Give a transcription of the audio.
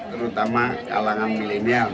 terutama kalangan milenial